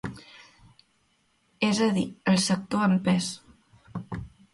És a dir, el sector en pes.